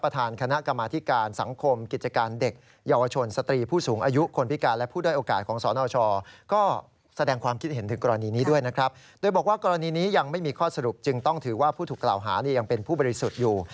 ต่างขณะนุรักษ์ผู้ถูกบริสุทธิ์อยู่